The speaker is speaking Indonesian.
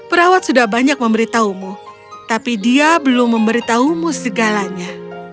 perawat sudah banyak memberitahumu tapi dia belum memberitahumu segalanya